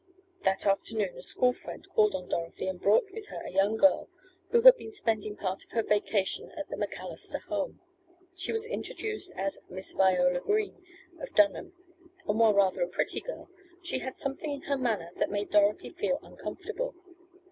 That afternoon a school friend called on Dorothy and brought with her a young girl who had been spending part of her vacation at the MacAllister home. She was introduced as Miss Viola Green of Dunham, and while rather a pretty girl she had something in her manner that made Dorothy feel uncomfortable.